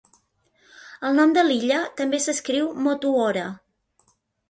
El nom de l'illa també s'escriu "Motuhora".